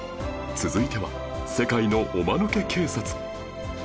続いては世界のおまぬけ警察